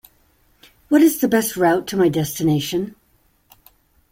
What is the best route to my destination?